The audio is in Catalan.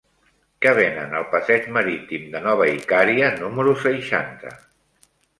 Què venen al passeig Marítim de Nova Icària número seixanta?